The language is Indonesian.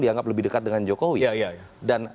dianggap lebih dekat dengan jokowi dan